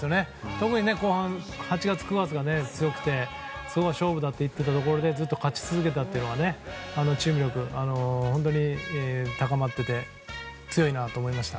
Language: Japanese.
特に後半８月、９月が強くて勝負だと言っていたところでずっと勝ち続けたというのはチーム力が本当に高まってて強いなと思いました。